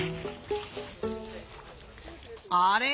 あれ？